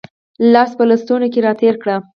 لاس په لستوڼي کې را تېر کړه